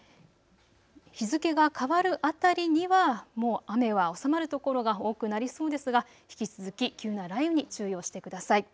日付が変わる辺りにはもう雨は収まる所が多くなりそうですが引き続き急な雷雨に注意をしてください。